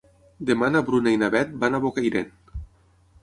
Demà na Bruna i na Beth van a Bocairent.